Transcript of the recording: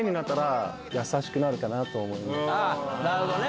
なるほどね！